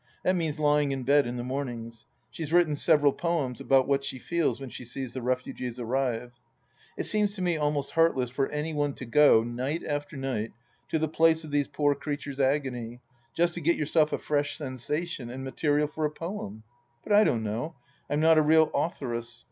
That means lying in bed in the mornings. She has written several poems about what she feels when she sees the refugees arrive. It seems to me almost heartless for any one to go, night after night, to the place of these poor creatures' agony, just to get yourself a fresh sensation and material for a poem. But I don't know. I am not a real authoress.